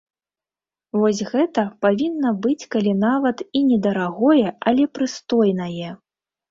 Вось гэта павінна быць калі нават і не дарагое, але прыстойнае.